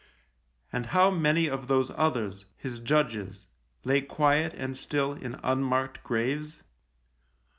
And how many of those others — his judges — lay quiet and still in unmarked graves